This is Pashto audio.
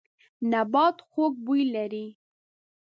نبات خوږ بوی لري.